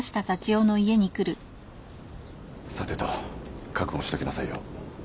さてと覚悟しときなさいよ。